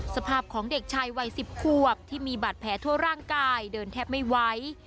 สภาพของเด็กชายวัย๑๐ควบที่มีบาดแผลทั่วร่างกายเดินแทบไม่ไหว